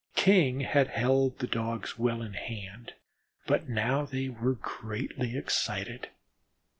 King had held the Dogs well in hand, but now they were greatly excited.